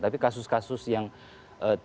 tapi kasus kasus yang tidak ada korban